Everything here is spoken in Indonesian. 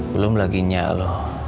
belum lagi nya lo